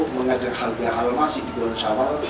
mengajak hal hal masih di gorontawal